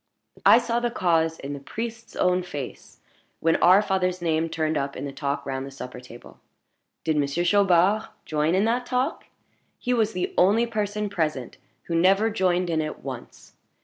I saw the cause in the priest's own face when our father's name turned up in the talk round the supper table. Did Monsieur Chaubard join in that talk? He was the only person present who never joined in it once.